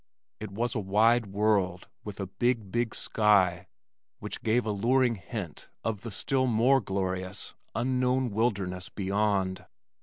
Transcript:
It was a wide world with a big, big sky which gave alluring hint of the still more glorious unknown wilderness beyond.